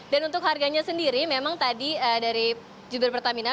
dan untuk harganya sendiri memang tadi dari jumat pertamina